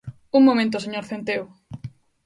Un momento, señor Centeo.